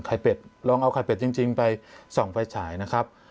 เป็ดลองเอาไข่เป็ดจริงไปส่องไฟฉายนะครับ